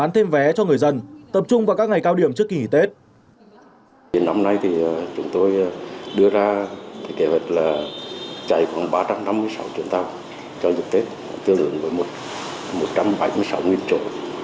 kế hoạch là chạy khoảng ba trăm năm mươi sáu chuyến tàu cho dựng tết tương đương với một trăm bảy mươi sáu chỗ